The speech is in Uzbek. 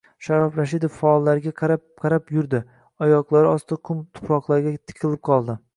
Sharof Rashidov faollarga qarab-qarab yurdi, oyoqlari osti qum-tuproqlarga tikilib qoldi.